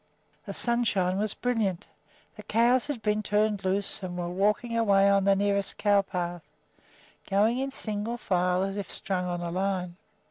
The sunshine was brilliant. The cows had been turned loose and were walking away on the nearest cow path, going in single file as if strung on a line.